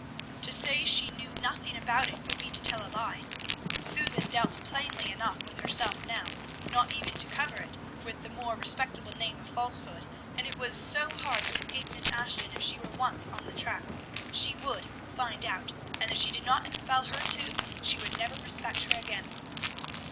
To say she knew nothing about it would be to tell a lie. Susan dealt plainly enough with herself now, not even to cover it with the more respectable name of falsehood, and it was so hard to escape Miss Ashton if she were once on the track; she would find out, and if she did not expel her too, she would never respect her again.